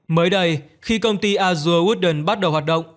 mới đây khi công ty azure wooden bắt đầu hoạt động